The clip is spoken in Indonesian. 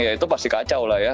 ya itu pasti kacau lah ya